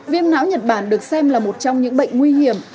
viêm não nhật bản được xem là một trong những bệnh nguy hiểm